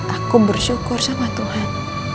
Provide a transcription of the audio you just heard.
aku bersyukur sama tuhan